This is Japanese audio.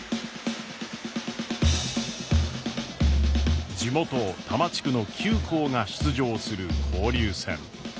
せの地元多摩地区の９校が出場する交流戦。